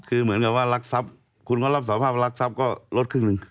คือเหมือนกับว่ารักทรัพย์คุณก็รับสารภาพว่ารักทรัพย์ก็ลดครึ่งหนึ่ง